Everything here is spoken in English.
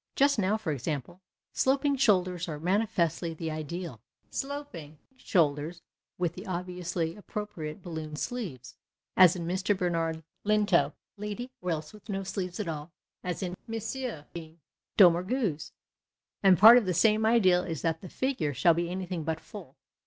Just now, for example, sloping shoulders are manifestly the ideal — sloping shoulders with the obviously appro priate balloon sleeves, as in Mr. Bernard Lintott's lady, or else with no sleeves at all, as in M. Jean Doumerguc's. And part of the same ideal is that the " figure " shall be anything but " full."